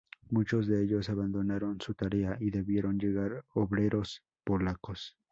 Muchos de ellos abandonaron su tarea, y debieron llegar obreros polacos.